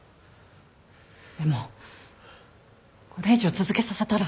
でもこれ以上続けさせたら。